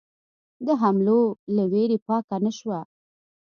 د حملو له وېرې پاکه نه شوه.